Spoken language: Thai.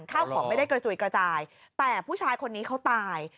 ข้าวของไม่ได้กระจุยกระจายแต่ผู้ชายคนนี้เขาตาย